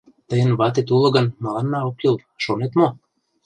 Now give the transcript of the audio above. — Тыйын ватет уло гын, мыланна ок кӱл, шонет мо?